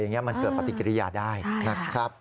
อย่างนี้มันเกิดปฏิกิริยาได้นะครับ